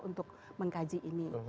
untuk mengkaji ini